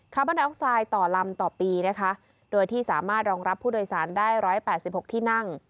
บอนไอออกไซด์ต่อลำต่อปีนะคะโดยที่สามารถรองรับผู้โดยสารได้๑๘๖ที่นั่ง